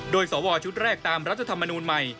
โดยสวชุดแรกตามรัฐธรรมนูลใหม่